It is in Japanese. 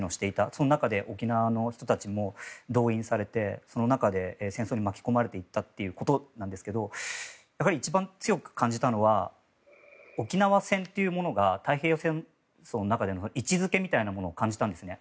その中で沖縄の人たちも動員されてその中で戦争に巻き込まれていったということなんですけどやはり一番強く感じたのは沖縄戦というものが太平洋戦争の中での位置付けみたいなものを感じたんですね。